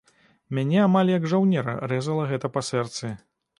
Мяне амаль як жаўнера рэзала гэта па сэрцы.